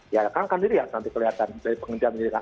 ya kang akan lihat nanti kelihatan dari penghentian penyidikan